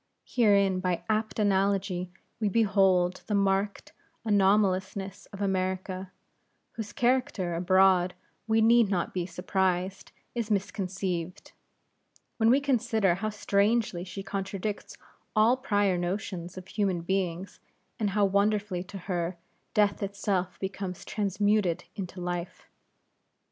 Herein by apt analogy we behold the marked anomalousness of America; whose character abroad, we need not be surprised, is misconceived, when we consider how strangely she contradicts all prior notions of human things; and how wonderfully to her, Death itself becomes transmuted into Life.